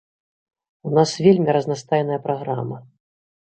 У нас вельмі разнастайная праграма.